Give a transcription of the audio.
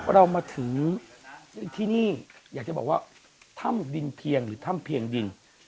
เรามาถึงที่นี่อยากจะบอกว่าถ้ำดินเพียงหรือถ้ำเพียงดิน